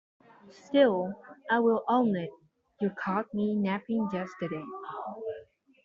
Still, I will own it, you caught me napping yesterday.